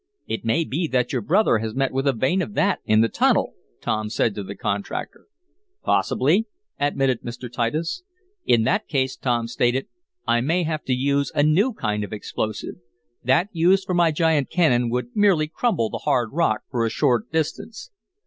It may be that your brother has met with a vein of that in the tunnel," Tom said to the contractor. "Possibly," admitted Mr. Titus. "In that case," Tom stated, "I may have to use a new kind of explosive. That used for my giant cannon would merely crumble the hard rock for a short distance."